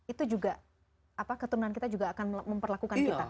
itu juga keturunan kita juga akan memperlakukan kita